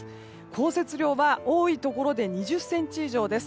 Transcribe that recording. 降雪量は多いところで２０ｃｍ以上です。